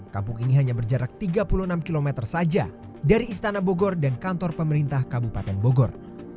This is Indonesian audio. kampung ini hanya berjarak tiga puluh enam km saja dari istana bogor dan kantor pemerintah kabupaten bogor